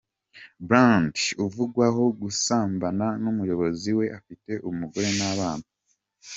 Bland uvugwaho gusambana n’umuyobozi we afite umugore n’abana.